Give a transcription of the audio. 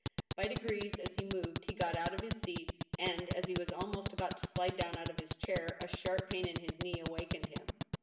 By degrees as he moved, he got out of his seat, and, as he was almost about to slide down out of his chair, a sharp pain in his knee awakened him.